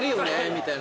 みたいな。